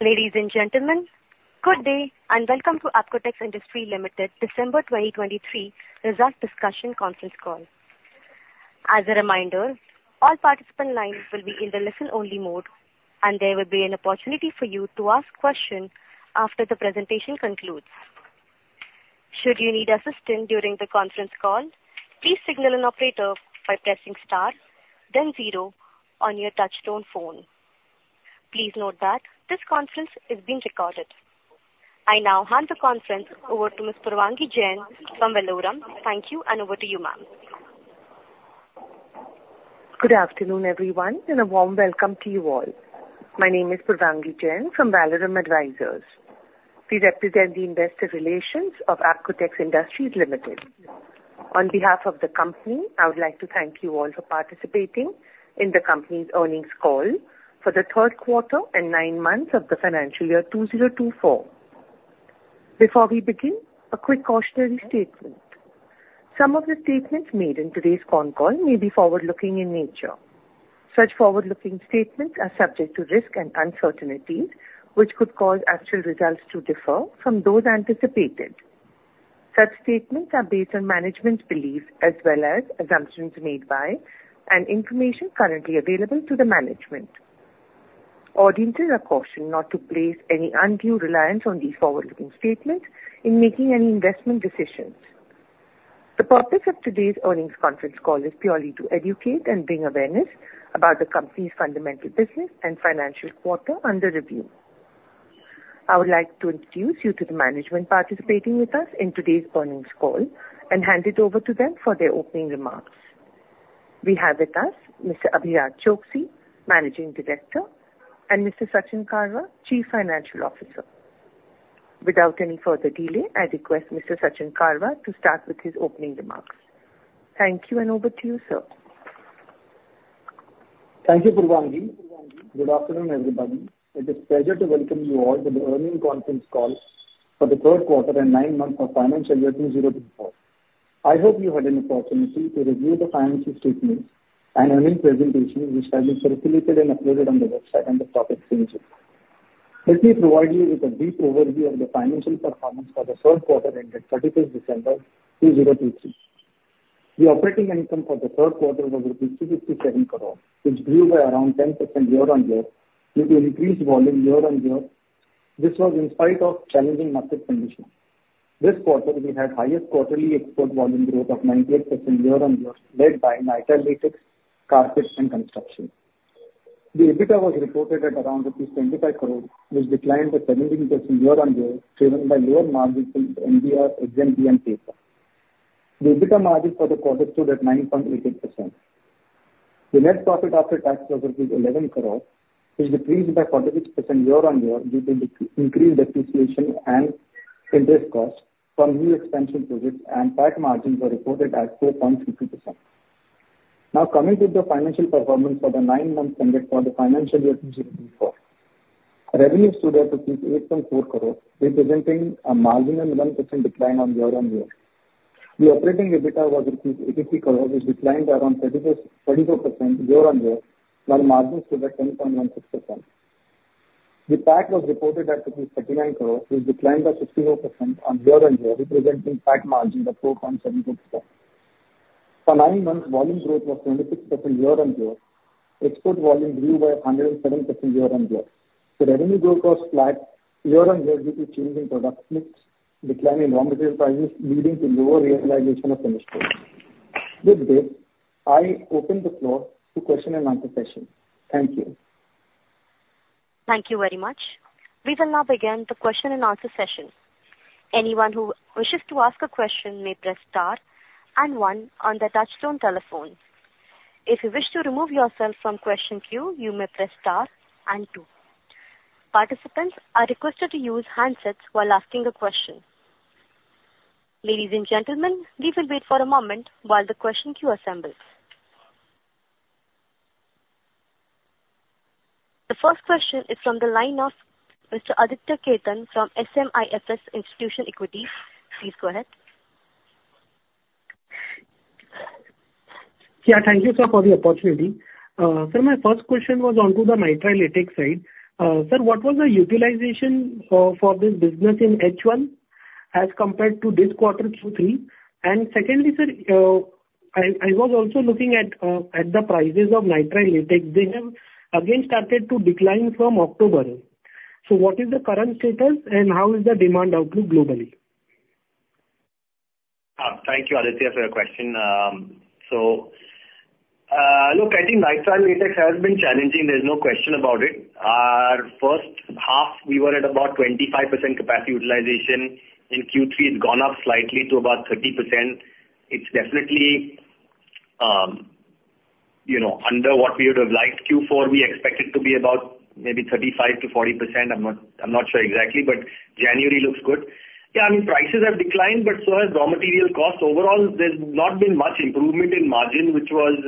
Ladies and gentlemen, good day, and welcome to Apcotex Industries Limited, December 2023, Results discussion conference call. As a reminder, all participant lines will be in the listen-only mode, and there will be an opportunity for you to ask questions after the presentation concludes. Should you need assistance during the conference call, please signal an operator by pressing Star, then Zero on your touchtone phone. Please note that this conference is being recorded. I now hand the conference over to Ms. Purvangi Jain from Valorem Advisors. Thank you, and over to you, ma'am. Good afternoon, everyone, and a warm welcome to you all. My name is Purvangi Jain from Valorem Advisors. We represent the investor relations of Apcotex Industries Limited. On behalf of the company, I would like to thank you all for participating in the company's earnings call for the Q3 and nine months of the financial year 2024. Before we begin, a quick cautionary statement. Some of the statements made in today's con call may be forward-looking in nature. Such forward-looking statements are subject to risks and uncertainties, which could cause actual results to differ from those anticipated. Such statements are based on management's beliefs as well as assumptions made by and information currently available to the management. Audiences are cautioned not to place any undue reliance on these forward-looking statements in making any investment decisions. The purpose of today's earnings conference call is purely to educate and bring awareness about the company's fundamental business and financial quarter under review. I would like to introduce you to the management participating with us in today's earnings call and hand it over to them for their opening remarks. We have with us Mr. Abhiraj Choksey, Managing Director, and Mr. Sachin Karwa, Chief Financial Officer. Without any further delay, I request Mr. Sachin Karwa to start with his opening remarks. Thank you, and over to you, sir. Thank you, Purvangi. Good afternoon, everybody. It is a pleasure to welcome you all to the earnings conference call for the Q3 and nine months of financial year 2024. I hope you had an opportunity to review the financial statements and earnings presentation, which has been circulated and uploaded on the website and the stock exchange. Let me provide you with a brief overview of the financial performance for the Q3 ended 31 December 2023. The operating income for the Q3 was INR 357 crore, which grew by around 10% year-on-year due to increased volume year-on-year. This was in spite of challenging market conditions. This quarter, we had highest quarterly export volume growth of 98% year-on-year, led by nitrile latex, carpets, and construction. The EBITDA was reported at around 25 crore, which declined by 17% year-on-year, driven by lower margins in NBR, HNP paper. The EBITDA margin for the quarter stood at 9.88%. The net profit after tax was 11 crore, which increased by 46% year-on-year due to increased depreciation and interest costs from new expansion projects, and PAT margins were reported at 4.50%. Now, coming to the financial performance for the nine months ended for the financial year 2024. Revenue stood at 8.4 crore, representing a marginal 1% decline year-on-year. The operating EBITDA was 83 crore, which declined around 34% year-on-year, while margins stood at 10.16%. The PAT was reported at INR 39 crore, which declined by 61% year-on-year, representing PAT margin of 4.72%. For 9 months, volume growth was 26% year-on-year. Export volume grew by 107% year-on-year. The revenue growth was flat year-on-year due to changing product mix, decline in raw material prices, leading to lower realization of finished goods. With this, I open the floor to question and answer session. Thank you. Thank you very much. We will now begin the question and answer session. Anyone who wishes to ask a question may press Star and One on their touchtone telephone. If you wish to remove yourself from question queue, you may press Star and Two. Participants are requested to use handsets while asking a question. Ladies and gentlemen, we will wait for a moment while the question queue assembles. The first question is from the line of Mr. Aditya Khetan from SMIFS Institutional Equities. Please go ahead. Yeah, thank you, sir, for the opportunity. Sir, my first question was onto the nitrile latex side. Sir, what was the utilization for this business in H1 as compared to this quarter, Q3? And secondly, sir, I was also looking at the prices of nitrile latex. They have again started to decline from October. So what is the current status, and how is the demand outlook globally? Thank you, Aditya, for your question. So, look, I think nitrile latex has been challenging, there's no question about it. Our first half, we were at about 25% capacity utilization. In Q3, it's gone up slightly to about 30%. It's definitely, you know, under what we would have liked. Q4, we expect it to be about maybe 35%-40%. I'm not sure exactly, but January looks good. Yeah, I mean, prices have declined, but so has raw material costs. Overall, there's not been much improvement in margin, which was,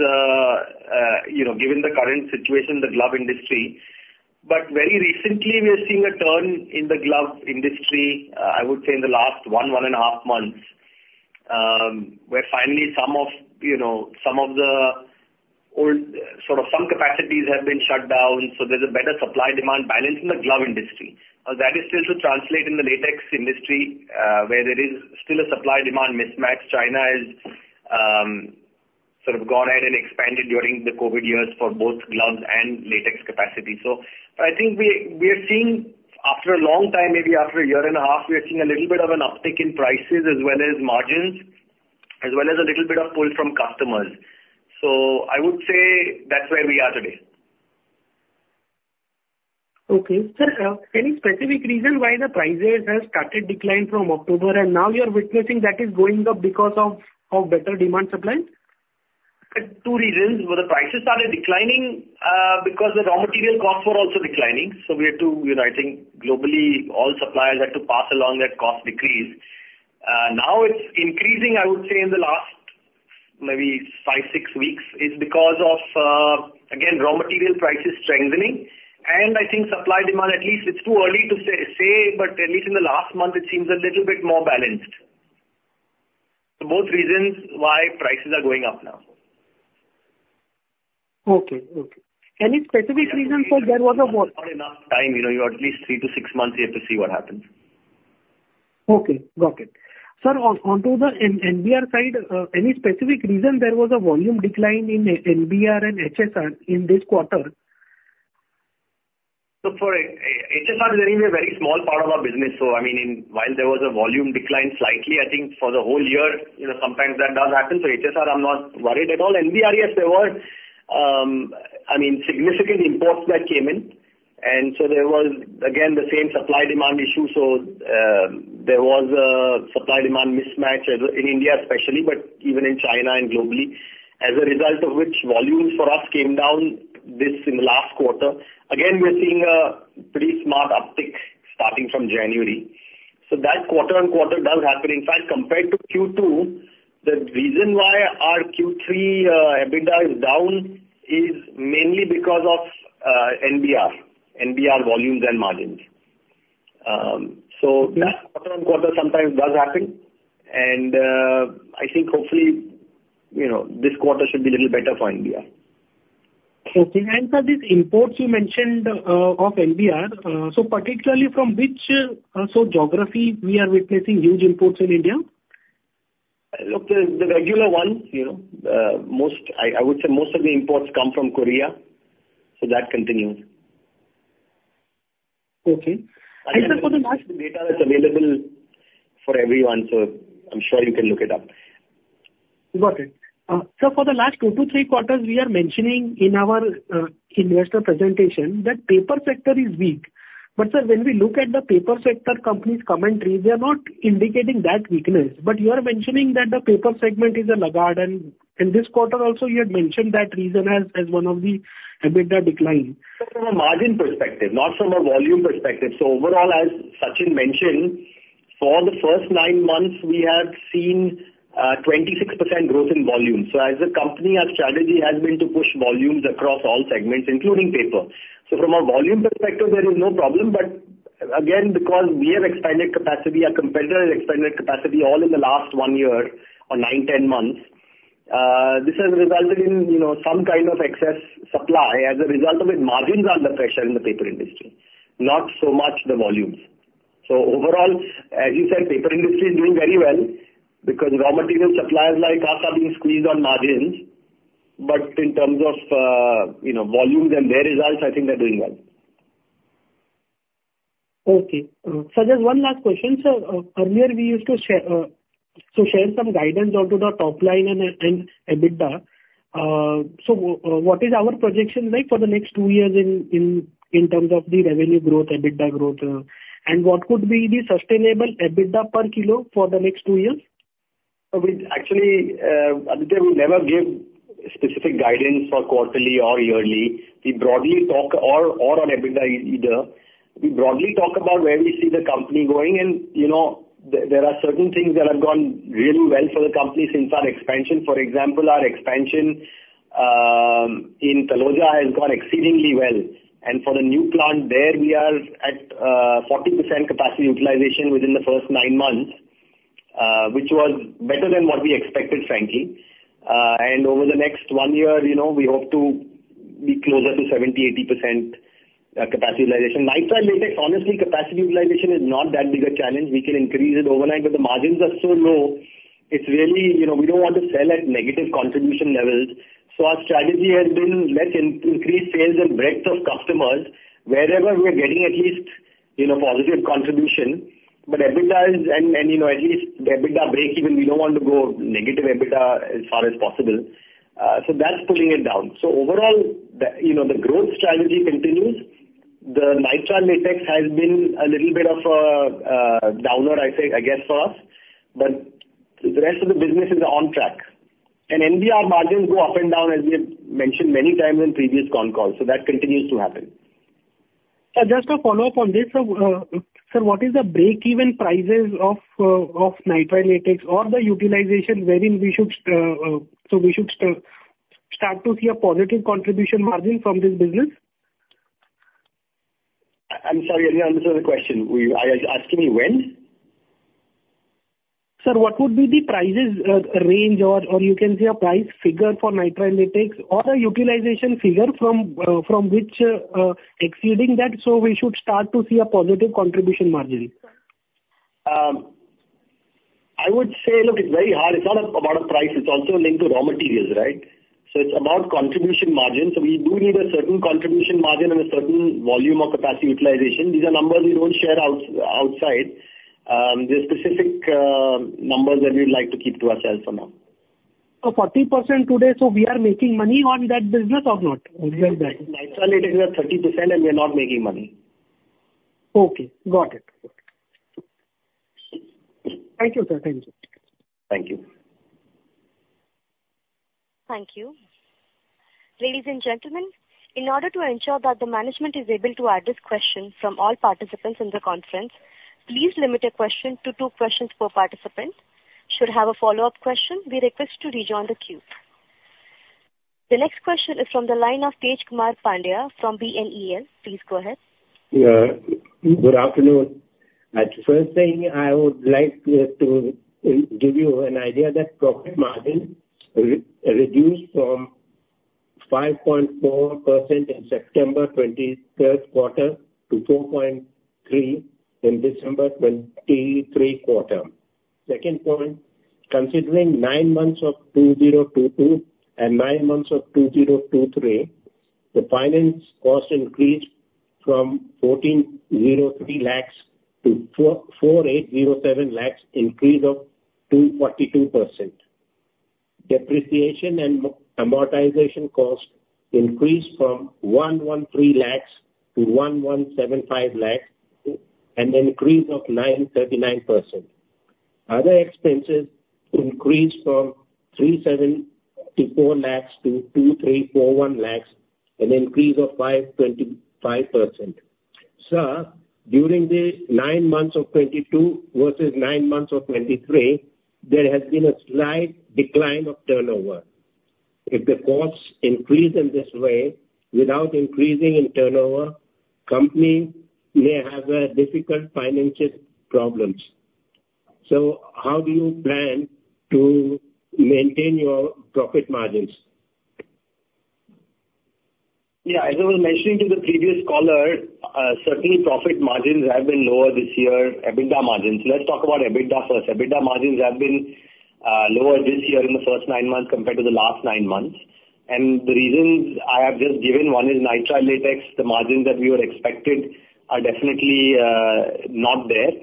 you know, given the current situation in the glove industry. But very recently, we are seeing a turn in the glove industry, I would say in the last one and a half months.... Where finally some of, you know, some of the old, sort of, some capacities have been shut down, so there's a better supply-demand balance in the glove industry. Now, that is still to translate in the latex industry, where there is still a supply-demand mismatch. China is sort of gone ahead and expanded during the COVID years for both gloves and latex capacity. So I think we, we are seeing after a long time, maybe after a year and a half, we are seeing a little bit of an uptick in prices as well as margins, as well as a little bit of pull from customers. So I would say that's where we are today. Okay. Sir, any specific reason why the prices have started declining from October, and now you are witnessing that is going up because of, of better demand supply? Two reasons. Well, the prices started declining, because the raw material costs were also declining, so we had to, you know, I think globally, all suppliers had to pass along that cost decrease. Now it's increasing, I would say in the last maybe five, six weeks, is because of, again, raw material prices strengthening, and I think supply-demand, at least it's too early to say, but at least in the last month, it seems a little bit more balanced. So both reasons why prices are going up now. Okay. Okay. Any specific reason for there was a more- Not enough time, you know. You're at least 3-6 months. You have to see what happens. Okay, got it. Sir, onto the NBR side, any specific reason there was a volume decline in NBR and HSR in this quarter? So for HSR is anyway a very small part of our business, so I mean while there was a volume decline slightly, I think for the whole year, you know, sometimes that does happen. So HSR, I'm not worried at all. NBR, yes, there were, I mean, significant imports that came in, and so there was again, the same supply-demand issue. So there was a supply-demand mismatch in India especially, but even in China and globally, as a result of which, volumes for us came down in the last quarter. Again, we are seeing a pretty smart uptick starting from January. So that quarter on quarter does happen. In fact, compared to Q2, the reason why our Q3 EBITDA is down is mainly because of NBR, NBR volumes and margins. So that quarter-on-quarter sometimes does happen, and I think hopefully, you know, this quarter should be a little better for NBR. Okay. And sir, these imports you mentioned, of NBR, so particularly from which, so geography we are witnessing huge imports in India? Look, the regular ones, you know, most I would say most of the imports come from Korea, so that continues. Okay. Sir, for the last- The data is available for everyone, so I'm sure you can look it up. Got it. Sir, for the last 2-3 quarters, we are mentioning in our investor presentation that paper sector is weak. But sir, when we look at the paper sector companies' commentary, they are not indicating that weakness. But you are mentioning that the paper segment is a laggard, and in this quarter also, you had mentioned that reason as one of the EBITDA decline. From a margin perspective, not from a volume perspective. So overall, as Sachin mentioned, for the first 9 months, we have seen 26% growth in volume. So as a company, our strategy has been to push volumes across all segments, including paper. So from a volume perspective, there is no problem, but again, because we have expanded capacity, our competitor has expanded capacity all in the last 1 year or 9-10 months, this has resulted in, you know, some kind of excess supply. As a result of it, margins are under pressure in the paper industry, not so much the volumes. So overall, as you said, paper industry is doing very well because raw material suppliers like us are being squeezed on margins. But in terms of, you know, volumes and their results, I think they're doing well. Okay. Sir, just one last question. Sir, earlier we used to share some guidance onto the top line and EBITDA. So what is our projection like for the next two years in terms of the revenue growth, EBITDA growth? And what could be the sustainable EBITDA per kilo for the next two years? So we actually, Aditya, we never give specific guidance for quarterly or yearly. We broadly talk or on EBITDA either. We broadly talk about where we see the company going and, you know, there are certain things that have gone really well for the company since our expansion. For example, our expansion in Taloja has gone exceedingly well, and for the new plant there, we are at 40% capacity utilization within the first nine months, which was better than what we expected, frankly. And over the next one year, you know, we hope to be closer to 70%-80% capacity utilization. Nitrile latex, honestly, capacity utilization is not that big a challenge. We can increase it overnight, but the margins are so low, it's really, you know, we don't want to sell at negative contribution levels. So our strategy has been, let's increase sales and breadth of customers wherever we are getting at least, you know, positive contribution. But EBITDA is, and, you know, at least the EBITDA breakeven, we don't want to go negative EBITDA as far as possible. So that's pulling it down. So overall, the, you know, the growth strategy continues. The Nitrile Latex has been a little bit of a downer, I'd say, I guess, for us, but the rest of the business is on track. And NBR margins go up and down, as we have mentioned many times in previous con calls, so that continues to happen. Sir, just a follow-up on this. So, sir, what is the breakeven prices of Nitrile Latex or the utilization wherein we should so we should start to see a positive contribution margin from this business? I'm sorry, I didn't understand the question. Well, are you asking me when? Sir, what would be the price range or you can say a price figure for nitrile latex or a utilization figure from which, exceeding that, so we should start to see a positive contribution margin? I would say, look, it's very hard. It's not about price, it's also linked to raw materials, right? So it's about contribution margins. We do need a certain contribution margin and a certain volume of capacity utilization. These are numbers we don't share outside. They're specific numbers that we'd like to keep to ourselves for now. So 40% today, so we are making money on that business or not? Where is that? Nitrile is at 30%, and we are not making money. Okay, got it. Thank you, sir. Thank you. Thank you. Thank you. Ladies and gentlemen, in order to ensure that the management is able to address questions from all participants in the conference, please limit your question to two questions per participant. Should you have a follow-up question, we request to rejoin the queue. The next question is from the line of Tejash Pandya from B&K Securities. Please go ahead. Yeah. Good afternoon. First thing, I would like to give you an idea that profit margin reduced from 5.4% in September 2023 quarter to 4.3% in December 2023 quarter. Second point, considering nine months of 2022 and nine months of 2023, the finance cost increased from 1,403 lakhs to 44,807 lakhs, increase of 242%. Depreciation and amortization cost increased from 113 lakhs to 1,175 lakhs, an increase of 939%. Other expenses increased from 374 lakhs to 2,341 lakhs, an increase of 5.5%. Sir, during the nine months of '22 versus nine months of '23, there has been a slight decline of turnover. If the costs increase in this way without increasing in turnover, company may have a difficult financial problems. So how do you plan to maintain your profit margins? Yeah, as I was mentioning to the previous caller, certainly profit margins have been lower this year, EBITDA margins. Let's talk about EBITDA first. EBITDA margins have been lower this year in the first nine months compared to the last nine months. And the reasons I have just given, one is nitrile latex. The margins that we were expected are definitely not there.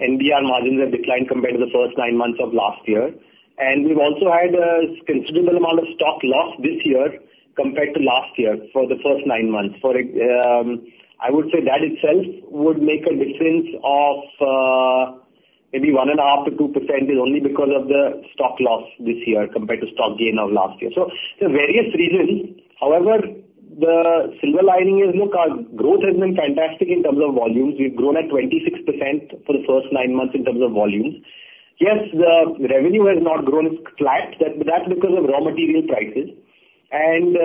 NBR margins have declined compared to the first nine months of last year. And we've also had a considerable amount of stock loss this year compared to last year for the first nine months. For, I would say that itself would make a difference of maybe 1.5%-2%, is only because of the stock loss this year compared to stock gain of last year. So there are various reasons. However, the silver lining is, look, our growth has been fantastic in terms of volumes. We've grown at 26% for the first nine months in terms of volumes. Yes, the revenue has not grown flat, but that's because of raw material prices. And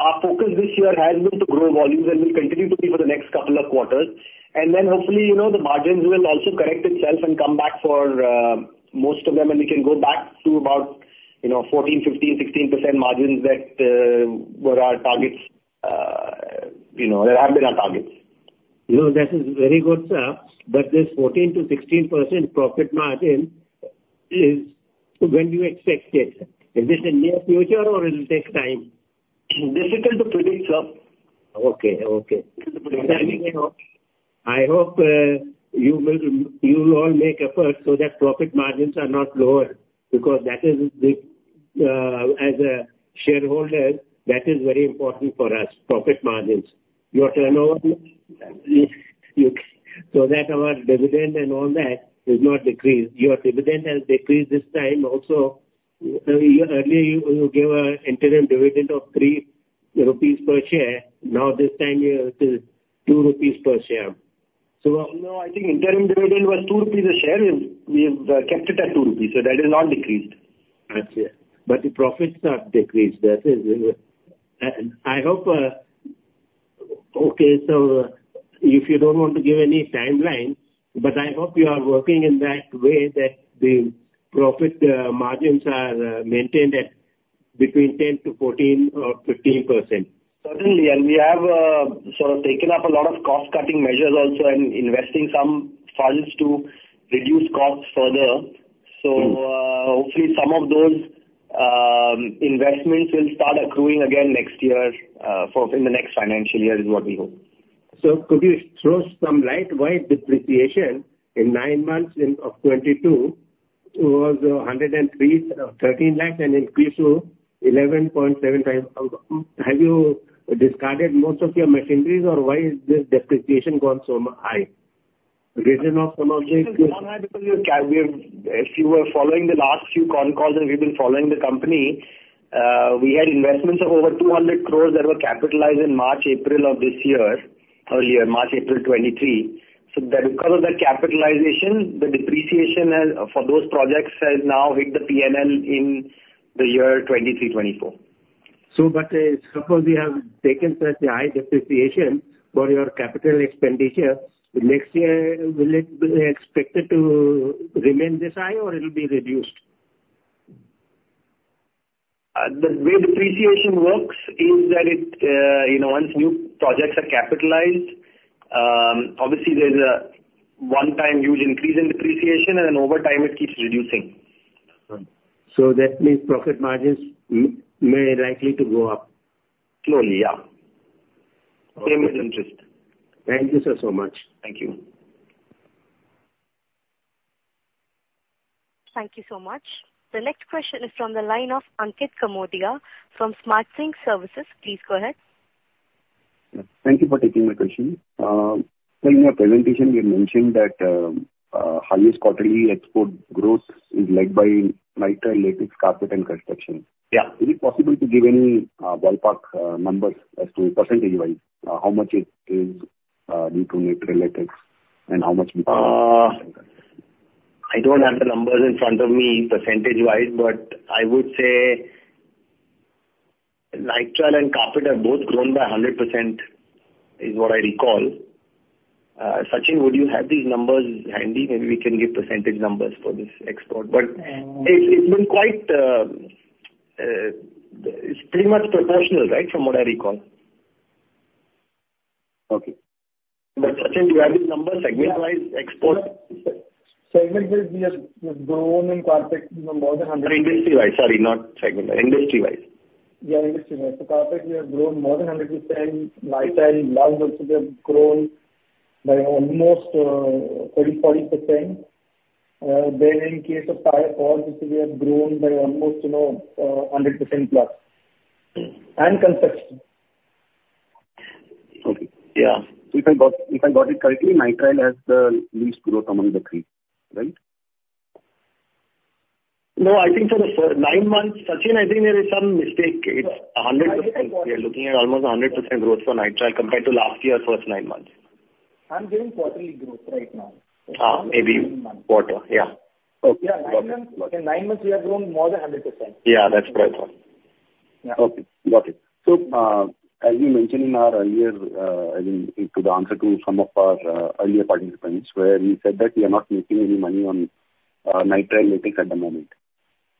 our focus this year has been to grow volumes, and will continue to be for the next couple of quarters. And then hopefully, you know, the margins will also correct itself and come back for most of them, and we can go back to about, you know, 14, 15, 16% margins that were our targets. You know, that have been our targets. No, that is very good, sir. But this 14%-16% profit margin is, when do you expect it? Is this in near future, or it will take time? Difficult to predict, sir. Okay. Okay. Difficult to predict. I hope, you will, you all make effort so that profit margins are not lower, because that is the, as a shareholder, that is very important for us, profit margins. Your turnover, so that our dividend and all that does not decrease. Your dividend has decreased this time also. Earlier you, you gave an interim dividend of 3 rupees per share. Now, this time here it is 2 rupees per share. So no, I think interim dividend was 2 rupees a share, and we have kept it at 2 rupees, so that has not decreased. I see. But the profits are decreased. That is, I hope... Okay, so if you don't want to give any timeline, but I hope you are working in that way that the profit margins are maintained at between 10%-14% or 15%. Certainly, and we have sort of taken up a lot of cost-cutting measures also, and investing some funds to reduce costs further. Good. So, hopefully, some of those investments will start accruing again next year, in the next financial year is what we hope. So could you throw some light why depreciation in nine months in of 2022 was 103.13 lakhs and increased to 11.75 crores? Have you discarded most of your machineries or why is this depreciation gone so high? Reason of some of the- It has gone high because we have, if you were following the last few con calls and you've been following the company, we had investments of over 200 crore that were capitalized in March, April of this year. Earlier, March, April 2023. So that, because of the capitalization, the depreciation as, for those projects has now hit the PNL in the year 2023, 2024.... Suppose you have taken such a high depreciation for your capital expenditure, next year, will it be expected to remain this high or it will be reduced? The way depreciation works is that it, you know, once new projects are capitalized, obviously there's a one-time huge increase in depreciation, and then over time it keeps reducing. That means profit margins may likely to go up? Slowly, yeah. Same as interest. Thank you, sir, so much. Thank you. Thank you so much. The next question is from the line of Ankit Kanodia from Smart Sync Services. Please go ahead. Thank you for taking my question. Sir, in your presentation, you mentioned that highest quarterly export growth is led by nitrile latex, carpet and construction. Yeah. Is it possible to give any ballpark numbers as to percentage-wise how much it is due to nitrile latex and how much due to...? I don't have the numbers in front of me percentage-wise, but I would say nitrile and carpet have both grown by 100%, is what I recall. Sachin, would you have these numbers handy? Maybe we can give percentage numbers for this export. But it's been quite... It's pretty much proportional, right? From what I recall. Okay. Sachin, do you have these numbers segment-wise, export? Segment-wise, we have grown in carpet more than 100%. Industry-wise, sorry, not segment-wise. Industry-wise. Yeah, industry-wise. So carpet, we have grown more than 100%. Nitrile gloves also we have grown by almost 30%-40%. Then in case of tire cord, which we have grown by almost, you know, 100%+, and construction. Okay. Yeah. If I got it correctly, nitrile has the least growth among the three, right? No, I think for the first nine months, Sachin, I think there is some mistake. It's 100%. Nitrile quarter. We are looking at almost 100% growth for nitrile compared to last year's first nine months. I'm giving quarterly growth right now. Ah, maybe quarter. Yeah. Okay, got it. Yeah, nine months. In nine months we have grown more than 100%. Yeah, that's what I thought. Yeah. Okay, got it. So, as you mentioned in our earlier, I mean, to the answer to some of our earlier participants, where you said that we are not making any money on Nitrile Latex at the moment.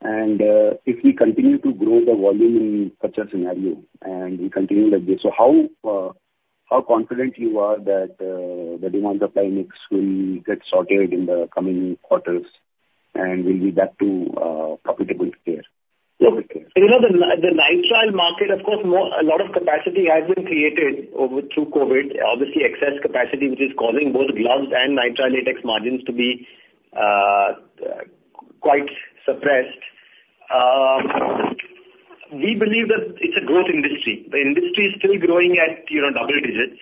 And, if we continue to grow the volume in such a scenario and we continue like this, so how confident you are that the demand supply mix will get sorted in the coming quarters and we'll be back to profitable state? Look, you know, the nitrile market, of course. A lot of capacity has been created over, through COVID. Obviously, excess capacity, which is causing both gloves and Nitrile Latex margins to be quite suppressed. We believe that it's a growth industry. The industry is still growing at, you know, double digits,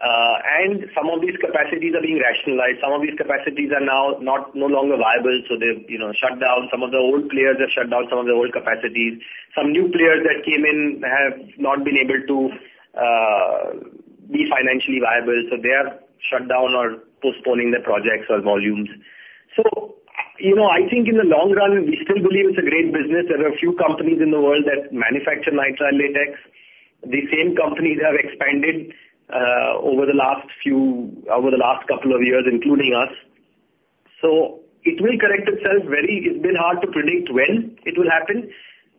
and some of these capacities are being rationalized. Some of these capacities are now not, no longer viable, so they've, you know, shut down. Some of the old players have shut down some of the old capacities. Some new players that came in have not been able to be financially viable, so they are shut down or postponing their projects or volumes. So, you know, I think in the long run, we still believe it's a great business. There are a few companies in the world that manufacture Nitrile Latex. The same companies have expanded over the last few, over the last couple of years, including us. So it will correct itself very... It's been hard to predict when it will happen.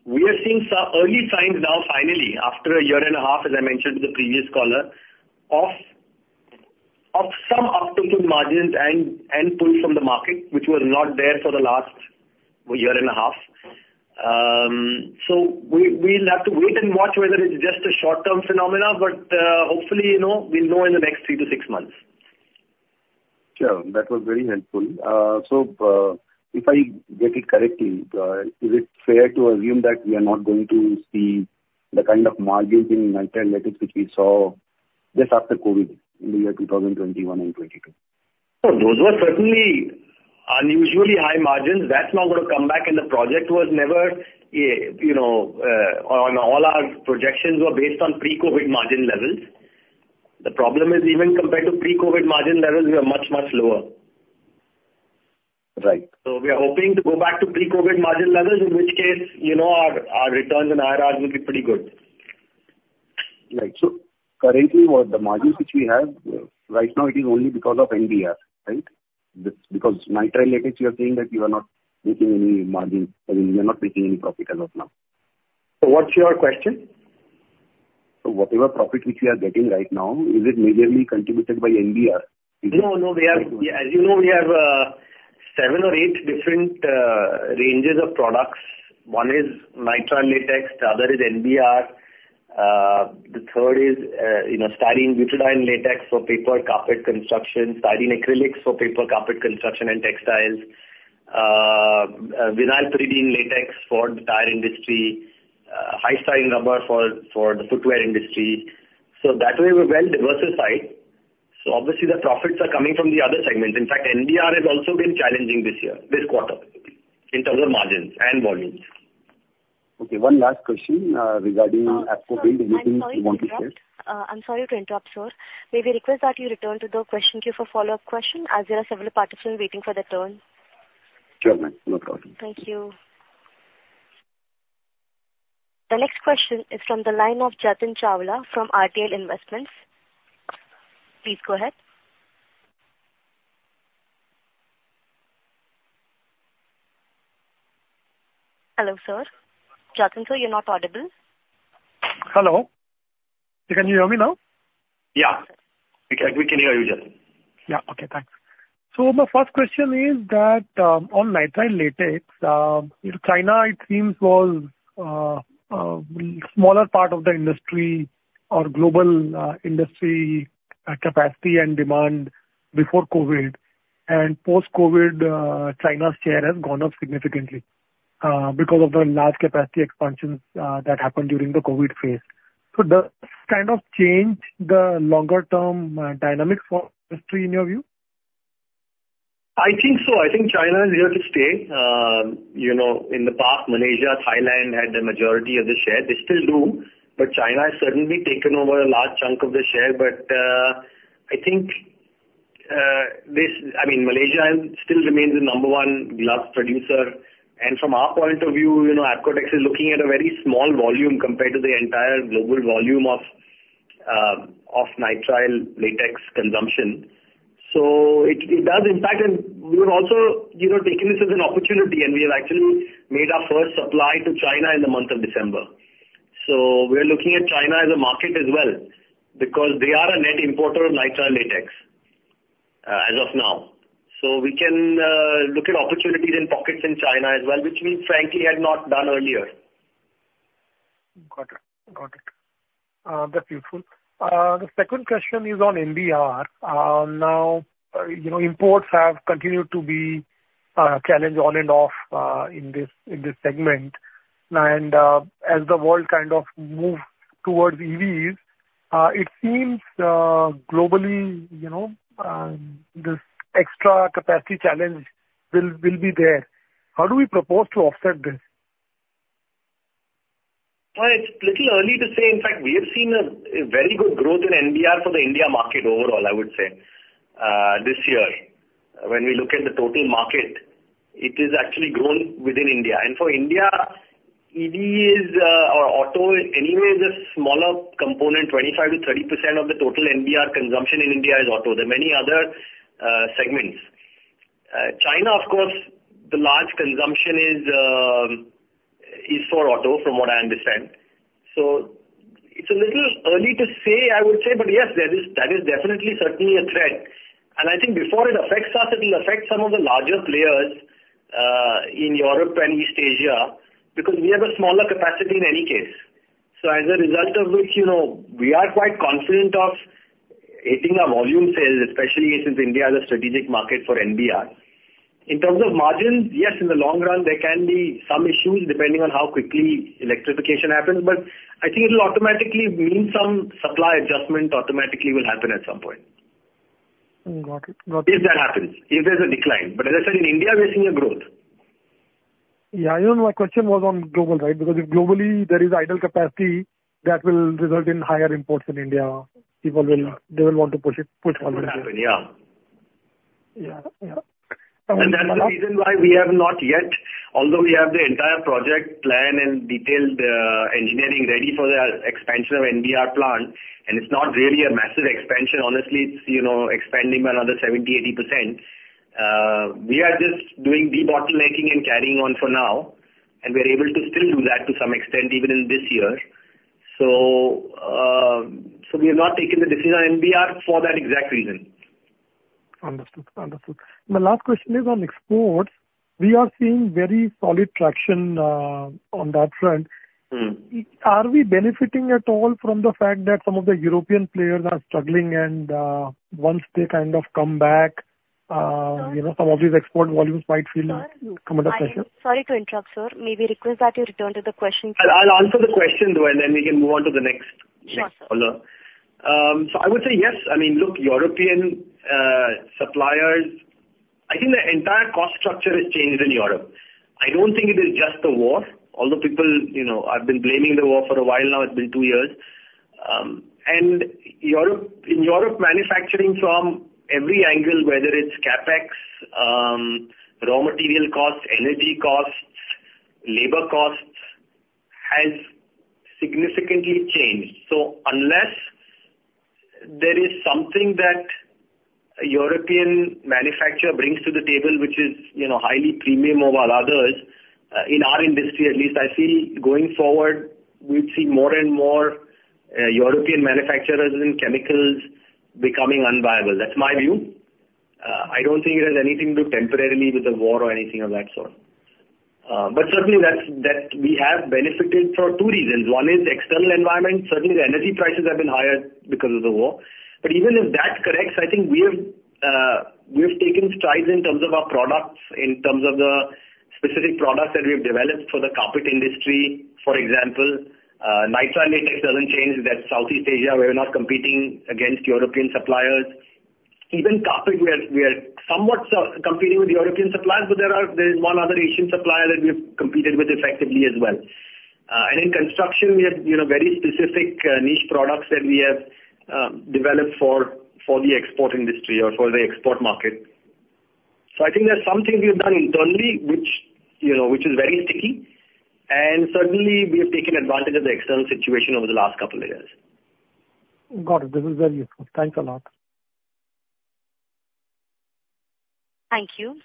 We are seeing some early signs now, finally, after a year and a half, as I mentioned to the previous caller, of some uptake in margins and pull from the market, which was not there for the last year and a half. So we'll have to wait and watch whether it's just a short-term phenomenon, but hopefully, you know, we'll know in the next three to six months. Sure. That was very helpful. So, if I get it correctly, is it fair to assume that we are not going to see the kind of margins in nitrile latex which we saw just after COVID in the year 2021 and 2022? Those were certainly unusually high margins. That's not gonna come back, and the project was never, you know, on. All our projections were based on pre-COVID margin levels. The problem is, even compared to pre-COVID margin levels, we are much, much lower. Right. We are hoping to go back to pre-COVID margin levels, in which case, you know, our, our returns on IRRs will be pretty good. Right. So currently, what the margins which we have right now, it is only because of NBR, right? This, because nitrile latex, you are saying that you are not making any margins, I mean, you are not making any profit as of now. What's your question? Whatever profit which we are getting right now, is it majorly contributed by NBR? No, no. As you know, we have seven or eight different ranges of products. One is nitrile latex, the other is NBR. The third is, you know, styrene butadiene latex for paper, carpet, construction, styrene acrylics for paper, carpet, construction and textiles. Vinyl pyridine latex for the tire industry, high styrene rubber for the footwear industry. So that way we're well-diversified. So obviously, the profits are coming from the other segments. In fact, NBR has also been challenging this year, this quarter, in terms of margins and volumes. Okay, one last question, regarding- Sir, I'm sorry to interrupt. I'm sorry to interrupt, sir. May we request that you return to the question queue for follow-up question, as there are several participants waiting for their turn?... Sure, ma'am. No problem. Thank you. The next question is from the line of Jatin Chawla from RTL Investments. Please go ahead. Hello, sir. Jatin, sir, you're not audible. Hello. Can you hear me now? Yeah, we can, we can hear you, Jatin. Yeah. Okay, thanks. So my first question is that, on nitrile latex, in China, it seems was, smaller part of the industry or global, industry, capacity and demand before COVID. And post-COVID, China's share has gone up significantly, because of the large capacity expansions, that happened during the COVID phase. So does this kind of change the longer-term, dynamics for industry in your view? I think so. I think China is here to stay. You know, in the past, Malaysia, Thailand, had the majority of the share. They still do, but China has certainly taken over a large chunk of the share. But, I think, this—I mean, Malaysia still remains the number one glove producer, and from our point of view, you know, Apcotex is looking at a very small volume compared to the entire global volume of of nitrile latex consumption. So it, it does impact and we have also, you know, taken this as an opportunity, and we have actually made our first supply to China in the month of December. So we are looking at China as a market as well, because they are a net importer of nitrile latex, as of now. So we can look at opportunities in pockets in China as well, which we frankly had not done earlier. Got it. Got it. That's useful. The second question is on NBR. Now, you know, imports have continued to be challenged on and off in this segment. And as the world kind of moves towards EVs, it seems globally, you know, this extra capacity challenge will be there. How do we propose to offset this? Well, it's a little early to say. In fact, we have seen a very good growth in NBR for the India market overall, I would say, this year. When we look at the total market, it is actually grown within India. And for India, EVs or auto anyway, is a smaller component. 25%-30% of the total NBR consumption in India is auto. There are many other segments. China, of course, the large consumption is for auto, from what I understand. So it's a little early to say, I would say, but yes, that is definitely certainly a threat. And I think before it affects us, it will affect some of the larger players in Europe and East Asia, because we have a smaller capacity in any case. So as a result of which, you know, we are quite confident of hitting our volume sales, especially since India is a strategic market for NBR. In terms of margins, yes, in the long run, there can be some issues depending on how quickly electrification happens, but I think it'll automatically mean some supply adjustment automatically will happen at some point. Got it. Got it. If that happens, if there's a decline. But as I said, in India, we're seeing a growth. Yeah, I know my question was on global, right? Because if globally there is idle capacity, that will result in higher imports in India, they will want to push it, push forward. Will happen, yeah. Yeah. Yeah. And that's the reason why we have not yet, although we have the entire project plan and detailed engineering ready for the expansion of NBR plant, and it's not really a massive expansion, honestly, it's you know, expanding by another 70%-80%. We are just doing debottlenecking and carrying on for now, and we're able to still do that to some extent, even in this year. So, so we have not taken the decision on NBR for that exact reason. Understood. Understood. My last question is on exports. We are seeing very solid traction on that front. Mm. Are we benefiting at all from the fact that some of the European players are struggling and, once they kind of come back, you know, some of these export volumes might feel- Sir- Come under pressure. Sorry to interrupt, sir. May we request that you return to the question please? I'll answer the question, though, and then we can move on to the next caller. Sure, sir. I would say yes. I mean, look, European suppliers, I think the entire cost structure has changed in Europe. I don't think it is just the war, although people, you know, have been blaming the war for a while now, it's been two years. Europe, in Europe, manufacturing from every angle, whether it's CapEx, raw material costs, energy costs, labor costs, has significantly changed. So unless there is something that a European manufacturer brings to the table, which is, you know, highly premium over others, in our industry at least, I feel going forward, we'd see more and more, European manufacturers in chemicals becoming unviable. That's my view. I don't think it has anything to do temporarily with the war or anything of that sort. But certainly that's, that... We have benefited for two reasons. One is the external environment. Certainly, the energy prices have been higher because of the war. But even if that corrects, I think we have, we have taken strides in terms of our products, in terms of the specific products that we've developed for the carpet industry. For example, nitrile latex doesn't change. That's Southeast Asia, we're not competing against European suppliers. Even carpet, we are, we are somewhat competing with the European suppliers, but there is one other Asian supplier that we've competed with effectively as well. And in construction, we have, you know, very specific, niche products that we have, developed for the export industry or for the export market. So I think there are some things we have done internally, which, you know, which is very sticky, and certainly we have taken advantage of the external situation over the last couple of years. Got it. This is very useful. Thanks a lot. Thank you.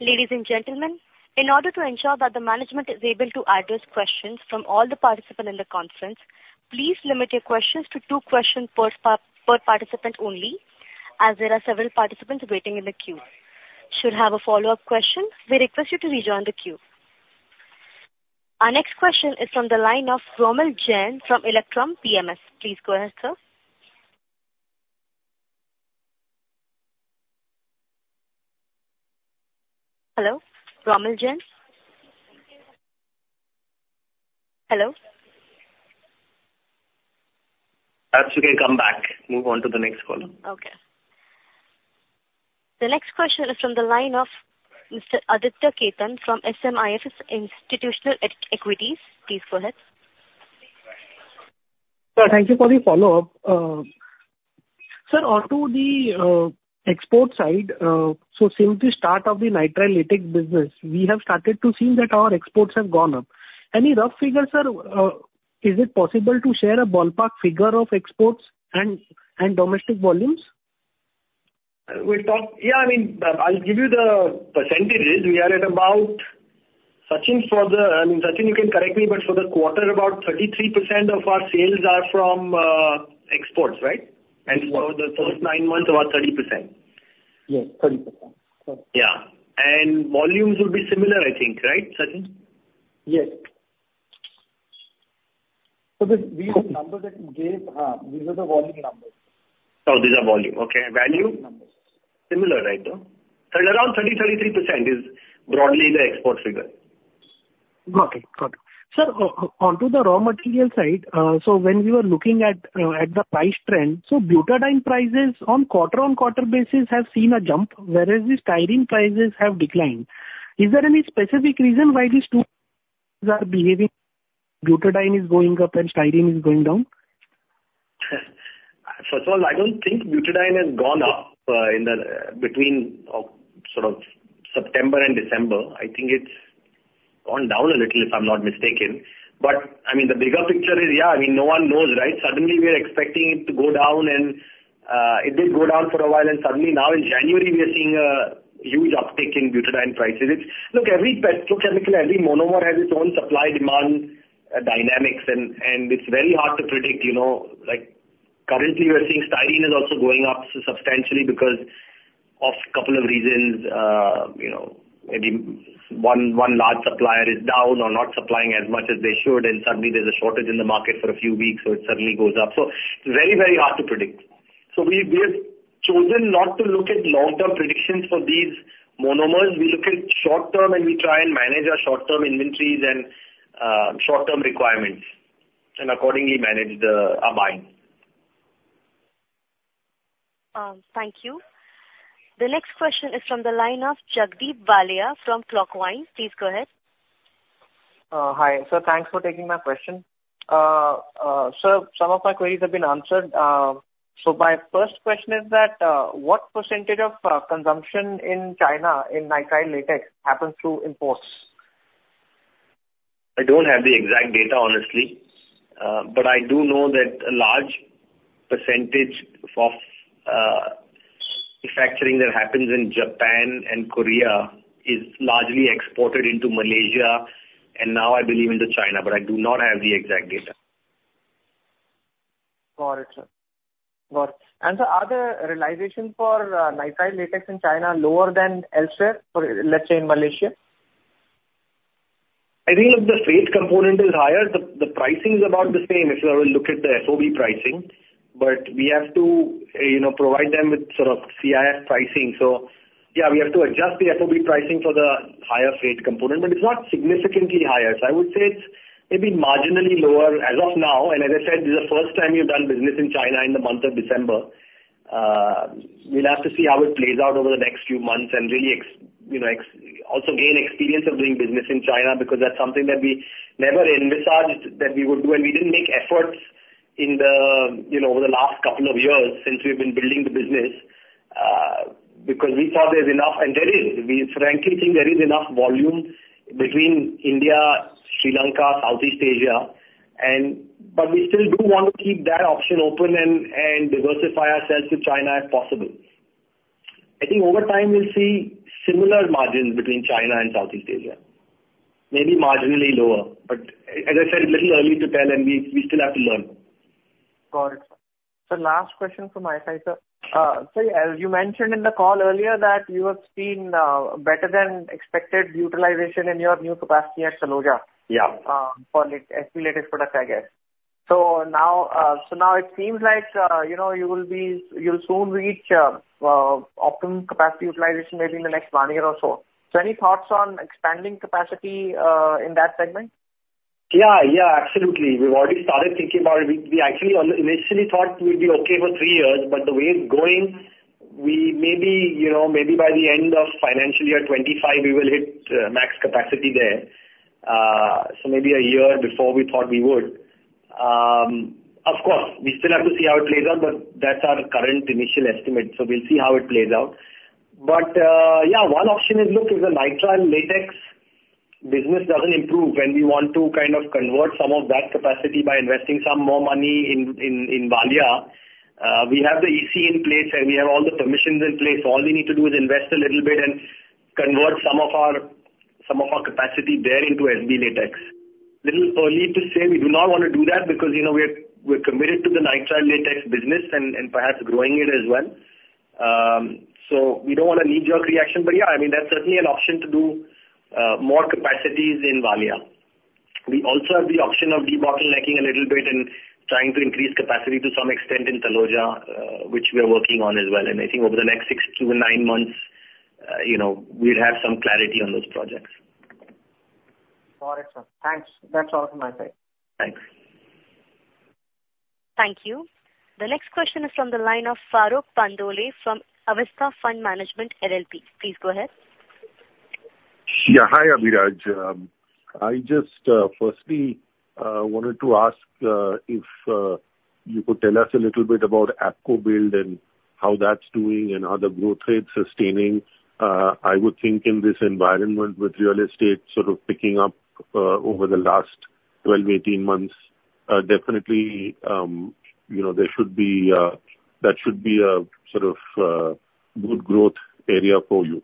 Ladies and gentlemen, in order to ensure that the management is able to address questions from all the participants in the conference, please limit your questions to two questions per participant only, as there are several participants waiting in the queue. Should you have a follow-up question, we request you to rejoin the queue. Our next question is from the line of Romil Jain from Electrum PMS. Please go ahead, sir. Hello, Romil Jain? Hello? Perhaps you can come back. Move on to the next caller. Okay. The next question is from the line of Mr. Aditya Khetan from SMIFS Institutional Equities. Please go ahead. Sir, thank you for the follow-up. Sir, on to the export side, so since the start of the nitrile latex business, we have started to see that our exports have gone up. Any rough figures or is it possible to share a ballpark figure of exports and domestic volumes? We talked... Yeah, I mean, I'll give you the percentages. We are at about, Sachin, for the... I mean, Sachin, you can correct me, but for the quarter, about 33% of our sales are from exports, right? Yes. For the first nine months, about 30%. Yes, 30%. Yeah. And volumes will be similar, I think, right, Sachin? Yes. So these, these numbers that you gave, these are the volume numbers. Oh, these are volume. Okay. Volume numbers. Value? Similar, right, no. So around 30-33% is broadly the export figure. Got it. Got it. Sir, on to the raw material side, so when we were looking at the price trend, so butadiene prices on quarter-on-quarter basis have seen a jump, whereas the styrene prices have declined. Is there any specific reason why these two are behaving, butadiene is going up and styrene is going down? First of all, I don't think butadiene has gone up in the between sort of September and December. I think it's gone down a little, if I'm not mistaken. But I mean, the bigger picture is, yeah, I mean, no one knows, right? Suddenly we are expecting it to go down, and it did go down for a while, and suddenly now in January we are seeing a huge uptick in butadiene prices. Look, every petrochemical, every monomer, has its own supply-demand dynamics, and it's very hard to predict, you know. Like, currently we are seeing styrene is also going up substantially because of couple of reasons. You know, maybe one large supplier is down or not supplying as much as they should, and suddenly there's a shortage in the market for a few weeks, so it suddenly goes up. So it's very, very hard to predict. So we have chosen not to look at long-term predictions for these monomers. We look at short-term, and we try and manage our short-term inventories and short-term requirements, and accordingly manage our buying. Thank you. The next question is from the line of Jagvir Singh from Clockvine Capital. Please go ahead. Hi. Sir, thanks for taking my question. Sir, some of my queries have been answered. So my first question is that, what percentage of consumption in China, in nitrile latex, happens through imports? I don't have the exact data, honestly. But I do know that a large percentage of manufacturing that happens in Japan and Korea is largely exported into Malaysia, and now, I believe, into China, but I do not have the exact data. Got it, sir. Got it. And sir, are the realization for nitrile latex in China lower than elsewhere, for, let's say, in Malaysia? I think if the freight component is higher, the pricing is about the same, if you look at the FOB pricing. But we have to, you know, provide them with sort of CIF pricing. So yeah, we have to adjust the FOB pricing for the higher freight component, but it's not significantly higher. So I would say it's maybe marginally lower as of now, and as I said, this is the first time we've done business in China in the month of December. We'll have to see how it plays out over the next few months and really, you know, also gain experience of doing business in China, because that's something that we never envisaged that we would do, and we didn't make efforts in the, you know, over the last couple of years since we've been building the business, because we thought there's enough, and there is. We frankly think there is enough volume between India, Sri Lanka, Southeast Asia, and... but we still do want to keep that option open and, and diversify ourselves to China if possible. I think over time, we'll see similar margins between China and Southeast Asia. Maybe marginally lower, but as I said, a little early to tell, and we, we still have to learn. Got it. So last question from my side, sir. So as you mentioned in the call earlier, that you have seen, better than expected utilization in your new capacity at Taloja. Yeah. For SBL latex product, I guess. So now, so now it seems like, you know, you'll soon reach, optimum capacity utilization maybe in the next one year or so. So any thoughts on expanding capacity in that segment? Yeah, yeah, absolutely. We've already started thinking about it. We actually initially thought we'd be okay for three years, but the way it's going, we maybe, you know, maybe by the end of financial year 25, we will hit max capacity there. So maybe a year before we thought we would. Of course, we still have to see how it plays out, but that's our current initial estimate, so we'll see how it plays out. But yeah, one option is, look, if the nitrile latex business doesn't improve, and we want to kind of convert some of that capacity by investing some more money in Valia, we have the EC in place, and we have all the permissions in place. All we need to do is invest a little bit and convert some of our, some of our capacity there into SBL latex. Little early to say, we do not want to do that because, you know, we are, we're committed to the nitrile latex business and, and perhaps growing it as well. So we don't want a knee-jerk reaction, but yeah, I mean, that's certainly an option to do more capacities in Valia. We also have the option of debottlenecking a little bit and trying to increase capacity to some extent in Taloja, which we are working on as well. I think over the next 6-9 months, you know, we'd have some clarity on those projects. Got it, sir. Thanks. That's all from my side. Thanks. Thank you. The next question is from the line of Farokh Pandole from Avista Fund Management LLP. Please go ahead. Yeah. Hi, Abhiraj. I just firstly wanted to ask if you could tell us a little bit about ApcoBuild and how that's doing and are the growth rate sustaining? I would think in this environment with real estate sort of picking up over the last 12, 18 months, definitely, you know, there should be... That should be a sort of good growth area for you.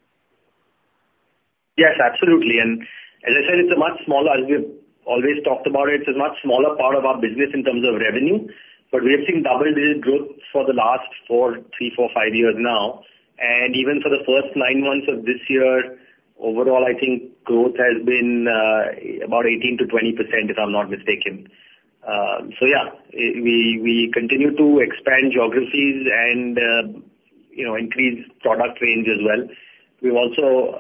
Yes, absolutely, and as I said, it's a much smaller, as we have always talked about it, it's a much smaller part of our business in terms of revenue, but we have seen double-digit growth for the last three, four, five years now. And even for the first 9 months of this year, overall, I think growth has been about 18%-20%, if I'm not mistaken. So yeah, we continue to expand geographies and, you know, increase product range as well. We've also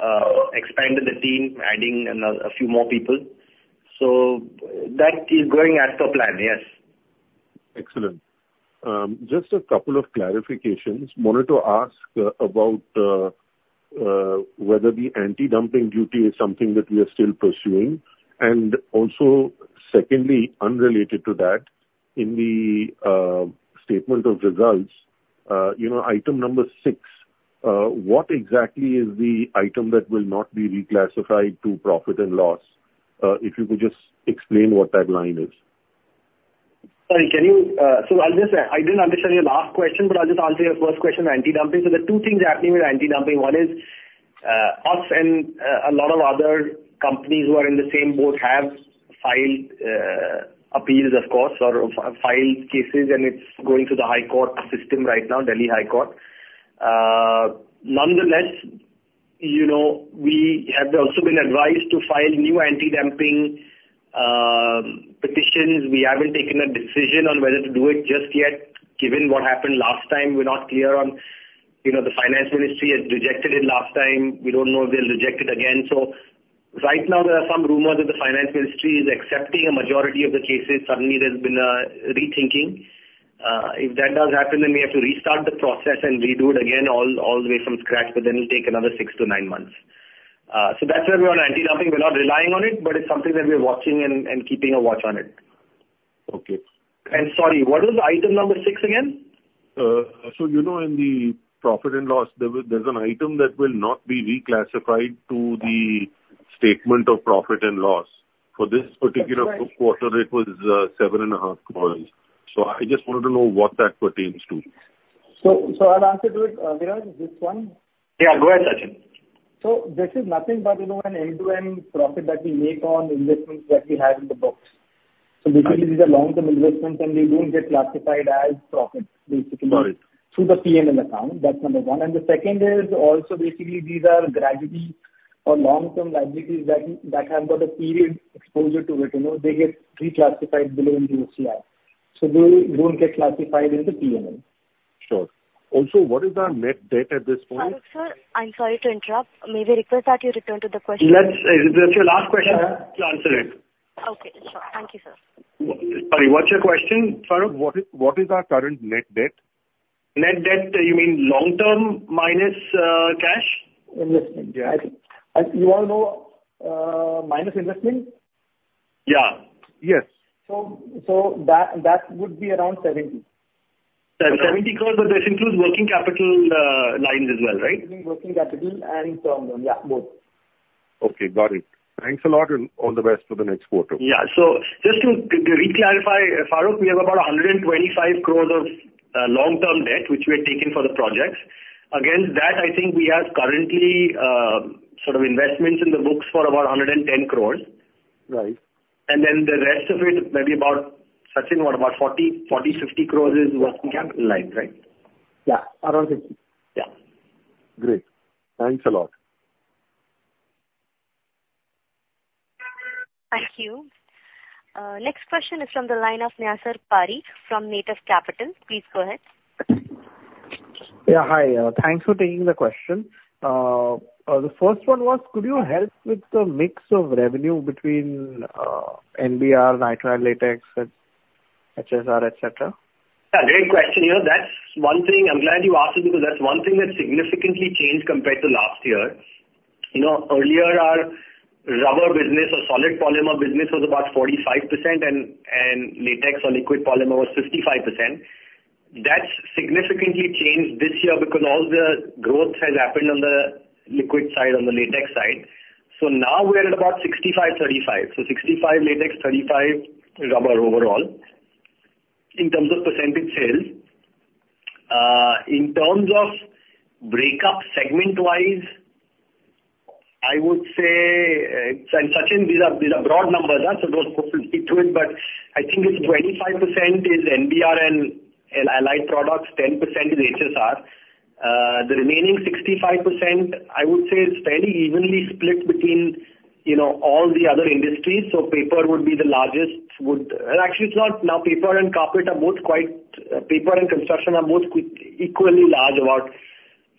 expanded the team, adding a few more people. So that is going as per plan, yes. Excellent. Just a couple of clarifications. Wanted to ask about whether the anti-dumping duty is something that we are still pursuing? And also, secondly, unrelated to that, in the statement of results, you know, item number six, what exactly is the item that will not be reclassified to profit and loss? If you could just explain what that line is? Sorry, can you... So I'll just, I didn't understand your last question, but I'll just answer your first question on anti-dumping. So there are two things happening with anti-dumping. One is, us and, a lot of other companies who are in the same boat have filed, appeals, of course, or filed cases, and it's going through the high court system right now, Delhi High Court. Nonetheless, you know, we have also been advised to file new anti-dumping, petitions. We haven't taken a decision on whether to do it just yet, given what happened last time. We're not clear on, you know, the finance ministry has rejected it last time. We don't know if they'll reject it again. So right now there are some rumors that the finance ministry is accepting a majority of the cases. Suddenly there's been a rethinking. If that does happen, then we have to restart the process and redo it again from scratch, but then it'll take another 6-9 months. So that's where we are on anti-dumping. We're not relying on it, but it's something that we're watching and keeping a watch on it. Okay. Sorry, what was the item number six again? So, you know, in the profit and loss, there was, there's an item that will not be reclassified to the statement of profit and loss. Right. For this particular quarter, it was 7.5 crore. So I just wanted to know what that pertains to. So, so I'll answer to it, Abhiraj, this one? Yeah, go ahead, Sachin. This is nothing but, you know, an end-to-end profit that we make on investments that we have in the books. Right. Basically, these are long-term investments, and they don't get classified as profit, basically- Right... through the P&L account. That's number one. And the second is also, basically, these are liabilities or long-term liabilities that, that have got a period exposure to it, you know, they get reclassified below into OCI, so they don't get classified in the P&L. Sure. Also, what is our net debt at this point? Sir, I'm sorry to interrupt. May I request that you return to the question? Let's, what's your last question? I'll answer it. Okay, sure. Thank you, sir. Sorry, what's your question, Farooq? What is our current net debt? Net debt, you mean long-term minus, cash? Investment, yeah. Yeah. I, you all know, minus investment? Yeah. Yes. So that would be around 70. 70 crore, but this includes working capital, lines as well, right? Including working capital and term loan. Yeah, both. Okay, got it. Thanks a lot, and all the best for the next quarter. Yeah. So just to, to reclarify, Farooq, we have about 125 crores of long-term debt, which we have taken for the projects. Against that, I think we have currently sort of investments in the books for about 110 crores. Right. The rest of it, maybe about, Sachin, what about 40, 40, 50 crores is working capital lines, right? Yeah, around 50. Yeah. Great. Thanks a lot. Thank you. Next question is from the line of Niyoshi Parekh from Native Capital. Please go ahead. Yeah, hi. Thanks for taking the question. The first one was, could you help with the mix of revenue between NBR, nitrile latex, and-... HSR, et cetera? Yeah, great question. You know, that's one thing I'm glad you asked it, because that's one thing that significantly changed compared to last year. You know, earlier, our rubber business or solid polymer business was about 45%, and latex or liquid polymer was 55%. That's significantly changed this year because all the growth has happened on the liquid side, on the latex side. So now we're at about 65-35. So 65% latex, 35% rubber overall, in terms of percentage sales. In terms of breakup segment-wise, I would say, and, Sachin, these are broad numbers, but I think it's 25% is NBR and allied products, 10% is HSR. The remaining 65%, I would say, is fairly evenly split between, you know, all the other industries. So paper would be the largest, would... Actually, it's not. Now, paper and carpet are both quite, paper and construction are both equally large, about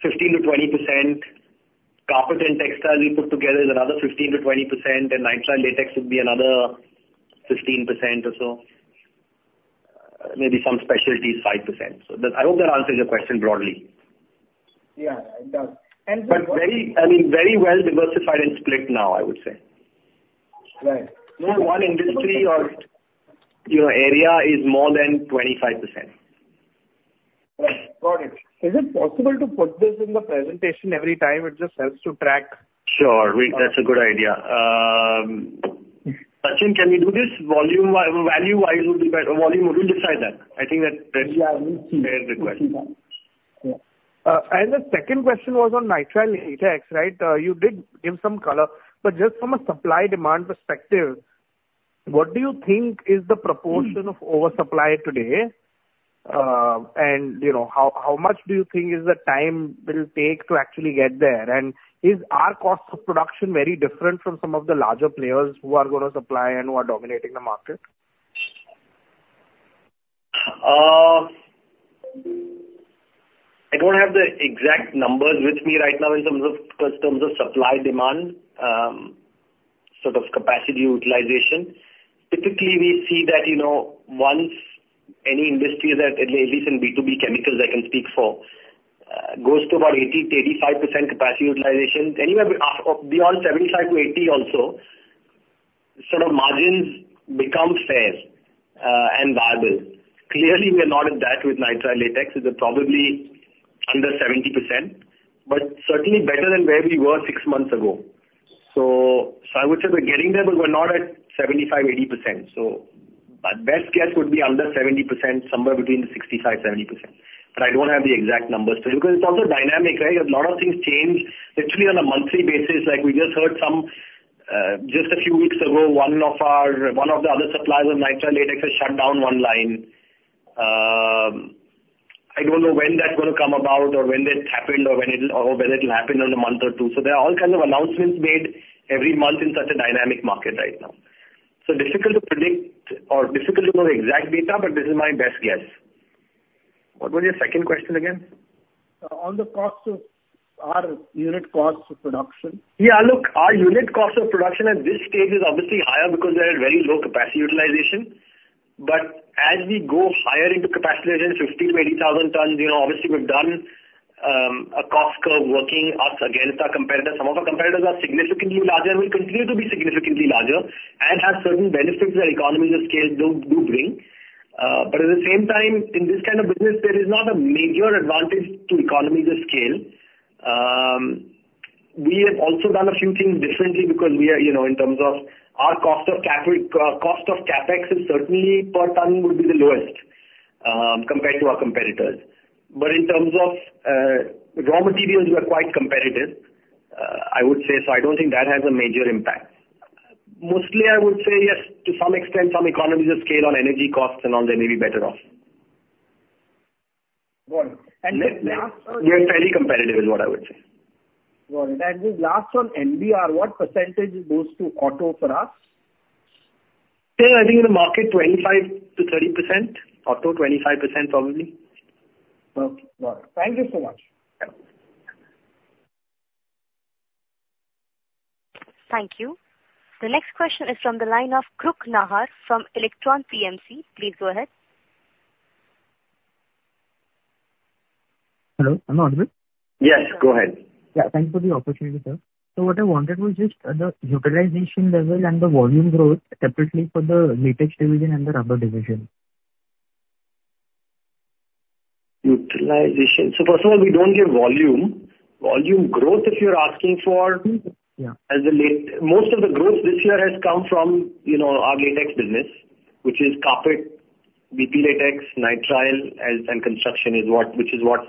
15%-20%. Carpet and textile, we put together, is another 15%-20%, and nitrile latex would be another 15% or so. Maybe some specialties, 5%. So I hope that answers your question broadly. Yeah, it does. Very, I mean, very well diversified and split now, I would say. Right. No one industry or, you know, area is more than 25%. Right. Got it. Is it possible to put this in the presentation every time? It just helps to track. Sure, we. That's a good idea. Sachin, can we do this volume-wise or value-wise will be better? Volume, we will decide that. I think that's- Yeah. Fair request. Yeah. And the second question was on nitrile latex, right? You did give some color, but just from a supply-demand perspective, what do you think is the proportion of oversupply today? And you know, how much do you think is the time will take to actually get there? And is our cost of production very different from some of the larger players who are gonna supply and who are dominating the market? I don't have the exact numbers with me right now in terms of, in terms of supply, demand, sort of capacity utilization. Typically, we see that, you know, once any industry that, at least in B2B chemicals I can speak for, goes to about 80%-85% capacity utilization, anywhere beyond 75%-80% also, sort of margins become fair, and viable. Clearly, we are not at that with nitrile latex; it's probably under 70%, but certainly better than where we were six months ago. So, I would say we're getting there, but we're not at 75%-80%. So my best guess would be under 70%, somewhere between 65%-70%. But I don't have the exact numbers for you, because it's also dynamic, right? A lot of things change literally on a monthly basis. Like we just heard some, just a few weeks ago, one of our, one of the other suppliers of nitrile latex has shut down one line. I don't know when that's gonna come about, or when this happened, or when it'll, or whether it'll happen in a month or two. So there are all kinds of announcements made every month in such a dynamic market right now. So difficult to predict or difficult to know the exact data, but this is my best guess. What was your second question again? On the cost of our unit cost of production. Yeah, look, our unit cost of production at this stage is obviously higher because we're at very low capacity utilization. But as we go higher into capacity utilization, 50,000-80,000 tons, you know, obviously, we've done a cost curve working us against our competitors. Some of our competitors are significantly larger and will continue to be significantly larger, and have certain benefits that economies of scale do bring. But at the same time, in this kind of business, there is not a major advantage to economies of scale. We have also done a few things differently because we are, you know, in terms of our cost of CapEx is certainly per ton, would be the lowest, compared to our competitors. But in terms of, raw materials, we are quite competitive, I would say, so I don't think that has a major impact. Mostly, I would say yes, to some extent, some economies of scale on energy costs and all, they may be better off. Got it. The last one- We are fairly competitive, is what I would say. Got it. And the last one, NBR, what percentage goes to auto for us? Still, I think in the market, 25%-30%. Auto, 25% probably. Okay. Got it. Thank you so much. Yeah. Thank you. The next question is from the line of Krupal Maniar from Electrum PMS. Please go ahead. Hello, am I audible? Yes, go ahead. Yeah, thank you for the opportunity, sir. So what I wanted was just the utilization level and the volume growth separately for the latex division and the rubber division. Utilization. So first of all, we don't give volume. Volume growth, if you're asking for- Mm-hmm. Yeah. Most of the growth this year has come from, you know, our latex business, which is carpet, VP latex, nitrile, and, and construction is what-- which is what,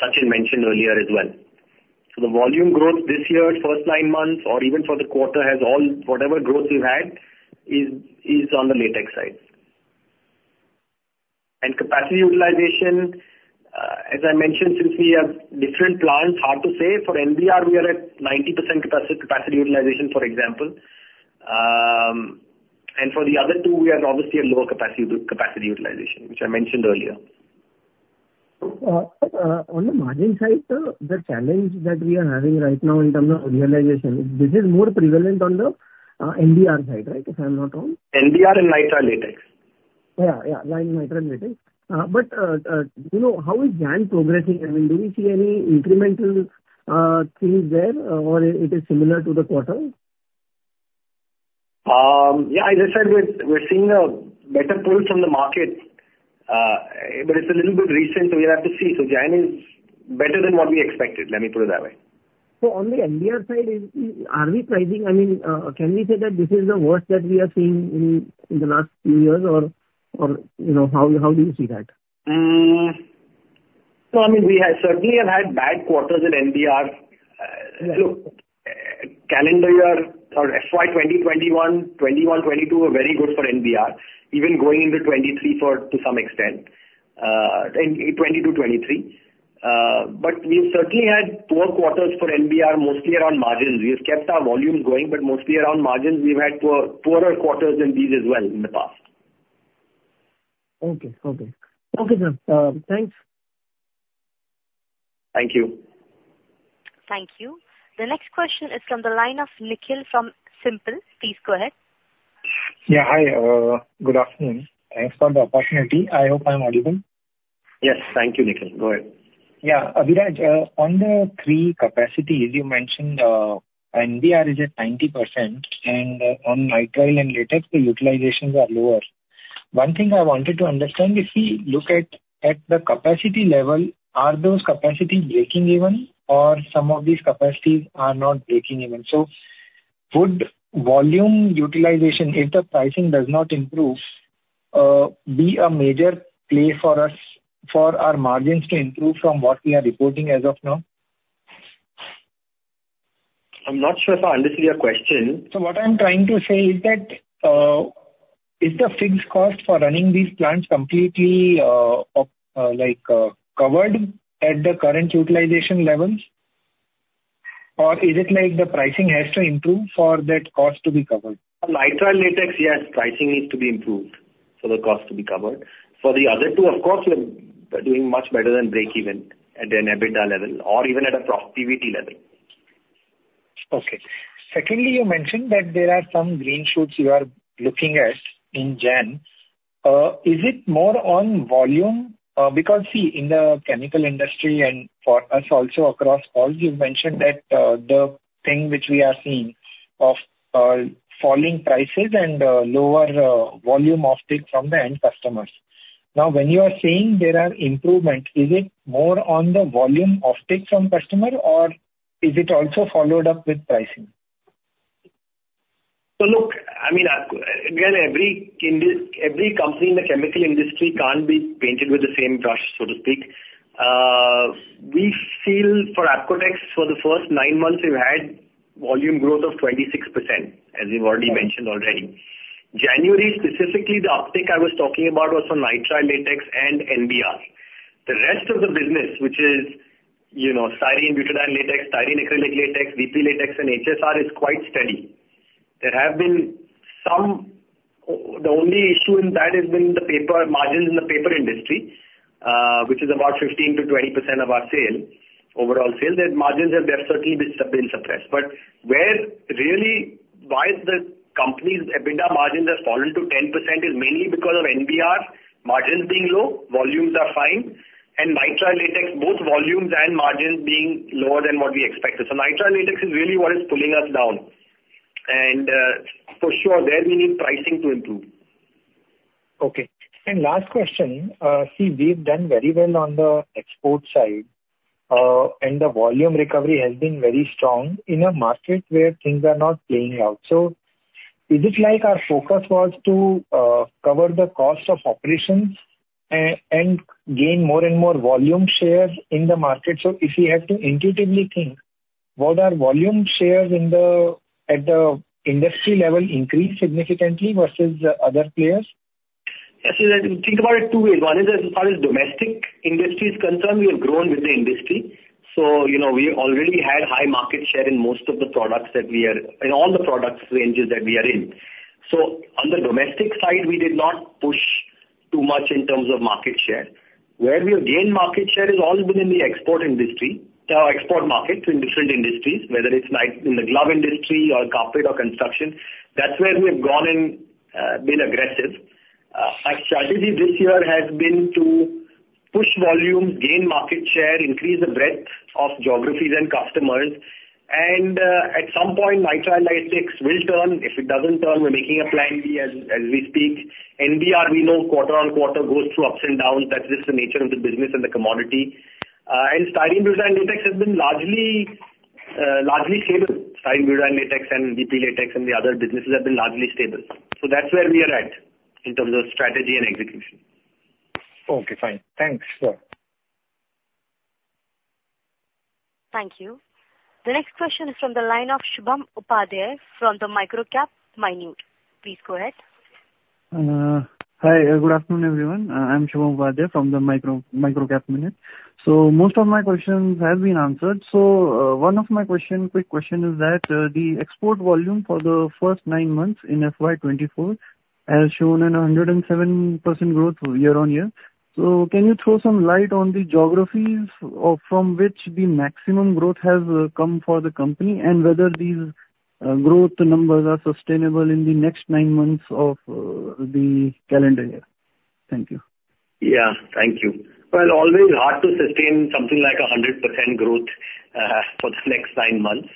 Sachin mentioned earlier as well. So the volume growth this year, first nine months or even for the quarter, has all, whatever growth we've had is, is on the latex side. And capacity utilization, as I mentioned, since we have different plants, hard to say. For NBR, we are at 90% capacity utilization, for example. And for the other two, we are obviously at lower capacity utilization, which I mentioned earlier. ... on the margin side, the challenge that we are having right now in terms of realization, this is more prevalent on the NBR side, right, if I'm not wrong? NBR and Nitrile Latex. Yeah, yeah, nitrile and latex. You know, how is JAN progressing? I mean, do we see any incremental things there, or it is similar to the quarter? Yeah, I just said we're, we're seeing a better pull from the market, but it's a little bit recent, so we'll have to see. So JAN is better than what we expected, let me put it that way. On the NBR side, I mean, can we say that this is the worst that we are seeing in the last few years? Or, you know, how do you see that? So, I mean, we have certainly have had bad quarters in NBR. Look, calendar year or FY 2021, 2021, 2022 are very good for NBR, even going into 2023 for, to some extent, in 2022, 2023. But we certainly had poor quarters for NBR, mostly around margins. We have kept our volumes going, but mostly around margins, we've had poor, poorer quarters than these as well in the past. Okay, sir. Thanks. Thank you. Thank you. The next question is from the line of Nikhil from SiMPL. Please go ahead. Yeah, hi, good afternoon. Thanks for the opportunity. I hope I'm audible. Yes, thank you, Nikhil. Go ahead. Yeah. Abhiraj, on the three capacities you mentioned, NBR is at 90%, and on nitrile and latex, the utilizations are lower. One thing I wanted to understand, if we look at, at the capacity level, are those capacities breaking even, or some of these capacities are not breaking even? So would volume utilization, if the pricing does not improve, be a major play for us, for our margins to improve from what we are reporting as of now? I'm not sure if I understood your question. So what I'm trying to say is that, is the fixed cost for running these plants completely, like, covered at the current utilization levels? Or is it like the pricing has to improve for that cost to be covered? Nitrile latex, yes, pricing needs to be improved for the cost to be covered. For the other two, of course, we're doing much better than breakeven at an EBITDA level or even at a profitability level. Okay. Secondly, you mentioned that there are some green shoots you are looking at in January. Is it more on volume? Because see, in the chemical industry and for us also across all, you've mentioned that the thing which we are seeing of falling prices and lower volume offtake from the end customers. Now, when you are saying there are improvements, is it more on the volume offtake from customer or is it also followed up with pricing? So look, I mean, again, every company in the chemical industry can't be painted with the same brush, so to speak. We feel for Apcotex, for the first nine months, we've had volume growth of 26%, as we've already mentioned already. January, specifically, the uptick I was talking about was on nitrile latex and NBR. The rest of the business, which is, you know, styrene butadiene latex, styrene acrylic latex, VP latex and HSR is quite steady. There have been some... the only issue in that has been the paper, margins in the paper industry, which is about 15%-20% of our sale, overall sale. Their margins have definitely been, been suppressed. But where really, why the company's EBITDA margins have fallen to 10% is mainly because of NBR margins being low, volumes are fine, and Nitrile Latex, both volumes and margins being lower than what we expected. So Nitrile Latex is really what is pulling us down. And, for sure, there we need pricing to improve. Okay. And last question. See, we've done very well on the export side, and the volume recovery has been very strong in a market where things are not playing out. So is it like our focus was to cover the costs of operations and gain more and more volume shares in the market? So if you had to intuitively think, would our volume shares in the, at the industry level, increase significantly versus the other players? Yes, so then think about it two ways. One is, as far as domestic industry is concerned, we have grown with the industry. So you know, we already had high market share in most of the products that we are, in all the product ranges that we are in. So on the domestic side, we did not push too much in terms of market share. Where we have gained market share has all been in the export industry, export market, in different industries, whether it's like in the glove industry or carpet or construction. That's where we have gone and been aggressive. Our strategy this year has been to push volume, gain market share, increase the breadth of geographies and customers, and at some point, nitrile latex will turn. If it doesn't turn, we're making a plan B as we speak. NBR, we know quarter-on-quarter, goes through ups and downs. That's just the nature of the business and the commodity. Styrene Butadiene latex has been largely, largely stable. Styrene Butadiene latex and VP latex and the other businesses have been largely stable. That's where we are at in terms of strategy and execution. Okay, fine. Thanks, sir. Thank you. The next question is from the line of Shubham Upadhyay from the MicroCap Minute. Please go ahead. Hi, good afternoon, everyone. I'm Shubham Upadhyay from the MicroCap Minute. So most of my questions have been answered. So, one of my question, quick question is that, the export volume for the first nine months in FY 2024 as shown in a 107% growth year-on-year. So can you throw some light on the geographies of from which the maximum growth has come for the company, and whether these growth numbers are sustainable in the next nine months of the calendar year? Thank you. Yeah. Thank you. Well, always hard to sustain something like 100% growth for the next nine months.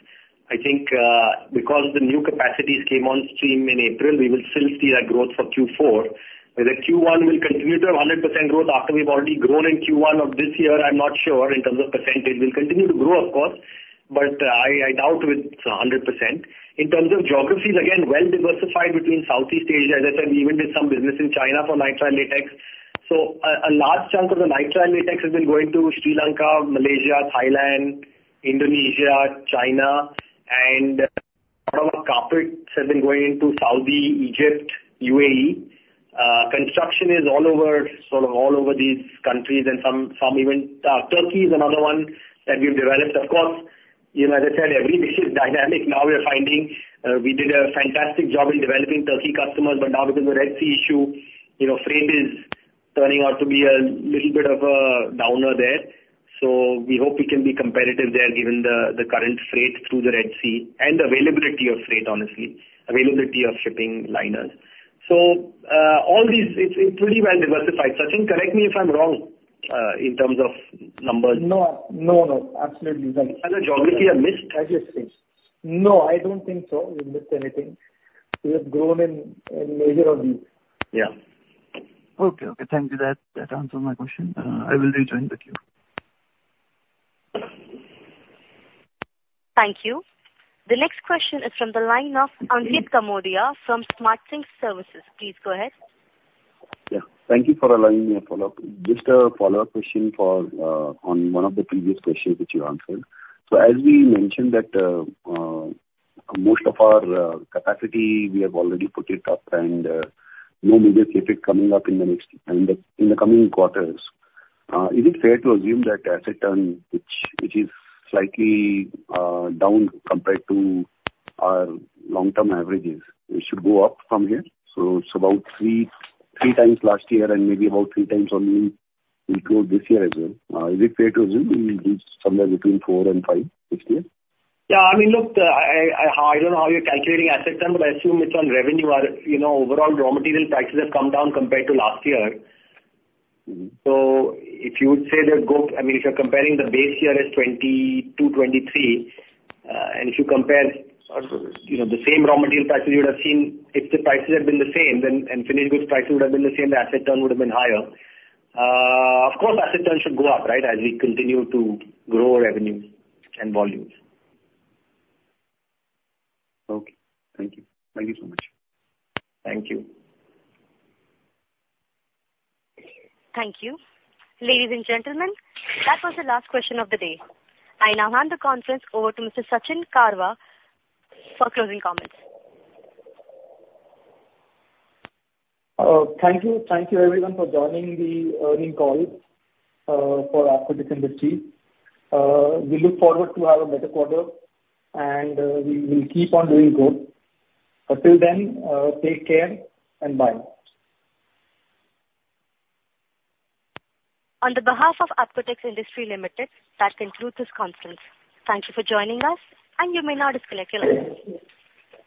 I think, because the new capacities came on stream in April, we will still see that growth for Q4. Whether Q1 will continue to have 100% growth after we've already grown in Q1 of this year, I'm not sure in terms of percentage. We'll continue to grow, of course, but I doubt it's 100%. In terms of geographies, again, well-diversified between Southeast Asia. As I said, we even did some business in China for nitrile latex. So a large chunk of the nitrile latex has been going to Sri Lanka, Malaysia, Thailand, Indonesia, China, and some of our carpets have been going to Saudi, Egypt, UAE. Construction is all over, sort of, all over these countries and some even. Turkey is another one that we've developed. Of course, you know, as I said, everything is dynamic. Now we are finding, we did a fantastic job in developing Turkey customers, but now because of the Red Sea issue, you know, freight is turning out to be a little bit of a downer there. So we hope we can be competitive there given the, the current freight through the Red Sea and availability of freight, honestly, availability of shipping liners. So, all these, it's, it's pretty well diversified. Sachin, correct me if I'm wrong, in terms of numbers. No. No, no, absolutely right. Any geography I missed? I just think. No, I don't think so. We missed anything. We have grown in, in major on these. Yeah. Okay. Okay, thank you. That, that answers my question. I will rejoin the queue. Thank you. The next question is from the line of Ankit Kanodia from Smart Sync Services. Please go ahead. Yeah. Thank you for allowing me a follow-up. Just a follow-up question on one of the previous questions which you answered. So as we mentioned that most of our capacity we have already put it up and no major CapEx coming up in the coming quarters. Is it fair to assume that asset turn which is slightly down compared to our long-term averages it should go up from here? So it's about three times last year and maybe about three times only into this year as well. Is it fair to assume we will be somewhere between four and five this year? Yeah, I mean, look, I don't know how you're calculating asset turn, but I assume it's on revenue. Or, you know, overall raw material prices have come down compared to last year. So if you would say that... I mean, if you're comparing the base year is 2020 to 2023, and if you compare- Absolutely. You know, the same raw material prices, you would have seen if the prices had been the same, then end finished goods prices would have been the same, asset turn would have been higher. Of course, asset turn should go up, right? As we continue to grow our revenues and volumes. Okay. Thank you. Thank you so much. Thank you. Thank you. Ladies and gentlemen, that was the last question of the day. I now hand the conference over to Mr. Sachin Karwa for closing comments. Thank you. Thank you, everyone, for joining the earnings call for Apcotex Industries. We look forward to have a better quarter, and we will keep on doing good. Till then, take care, and bye. On behalf of Apcotex Industries Limited, that concludes this conference. Thank you for joining us, and you may now disconnect your line.